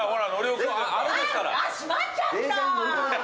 あ閉まっちゃった。